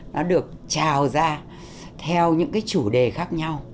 nó được trào ra theo những cái chủ đề khác nhau